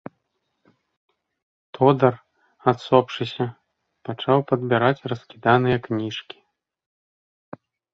Тодар, адсопшыся, пачаў падбіраць раскіданыя кніжкі.